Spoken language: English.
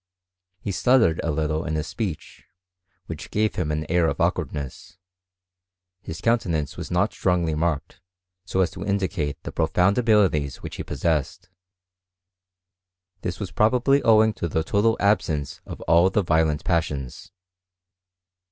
He stuttered a little in his speech^ which gave him an air of awkwardness : his counte nance was not strongly marked, so as to indicate the profound abilities which he possessed. This was pro ^ oably owing to the total absence of all the violent pas sions.